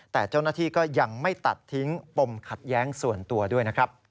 แต่เจ้าหน้าที่ก็ยังไม่ตัดทิ้งปมขัดแย้งส่วนตัวด้วยนะครับ